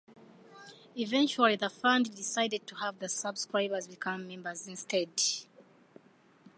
Eventually the Fund decided to have the subscribers become members instead.